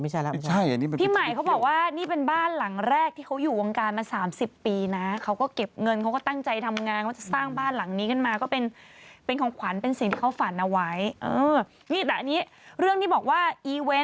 ชายนี่แม่เขาบอกว่านี่เป็นบ้านหลังแรกที่เขาอยู่วงการมา๓๐ปีนะเขาก็เก็บเงินก็ตั้งใจทำงานทำบ้านหลังนี้กันมาก็เป็นเป็นของขวัญเป็นสิ่งที่เขาฝันเอาไว้